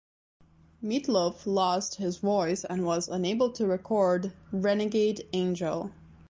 Meat Loaf lost his voice and was unable to record "Renegade Angel".